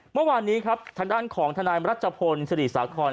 เมื่อวานนี้ครับทางด้านของทนายรัชพลศรีสาคอน